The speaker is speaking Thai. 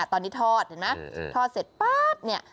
อ่ะตอนนี้ทอดเห็นไหมเออเออทอดเสร็จป๊าบเนี้ย